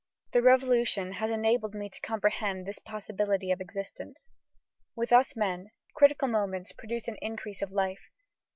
The Revolution has enabled me to comprehend this possibility of existence. With us men, critical moments produce an increase of life.